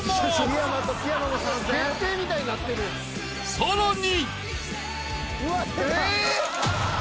［さらに］